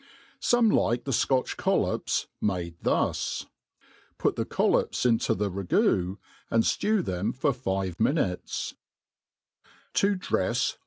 Some like the Scotch collops made thus : put the collopa into the ragoo, and ftew them for five minutes* 7i MADE PLAIN AND EASY.